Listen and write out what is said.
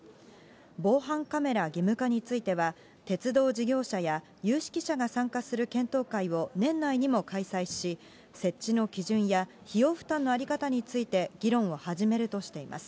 防犯カメラ義務化については、鉄道事業者や、有識者が参加する検討会を年内にも開催し、設置の基準や費用負担の在り方について、議論を始めるとしています。